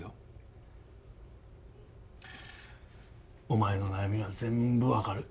お前の悩みは全部分かる。